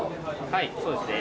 はいそうですね。